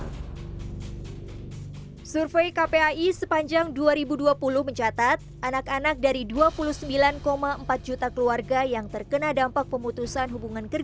hai survei kpai sepanjang dua ribu dua puluh mencatat anak anak dari dua puluh sembilan empat juta keluarga yang terkena dampak